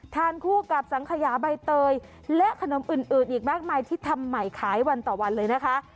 ทานคู่กับสังขยาใบเตยและขนมอื่นอีกมากมายที่ทำใหม่ขายวันต่อวันเลยนะคะ